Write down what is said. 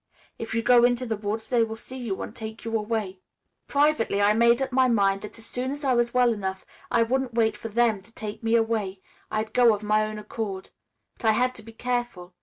If you go into the woods, they will see you and take you away.' "Privately I made up my mind that as soon as I was well enough I wouldn't wait for 'them' to 'take me away'; I'd go of my own accord. But I had to be careful.